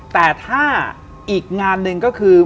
แต่ถ้าอีกงานหนึ่งก็คือ